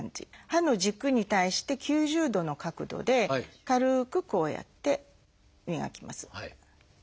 歯の軸に対して９０度の角度で軽くこうやって磨きます。